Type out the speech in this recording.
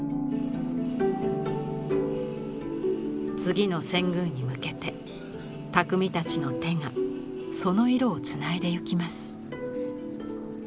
次の遷宮に向けて匠たちの手がその色をつないでゆきます。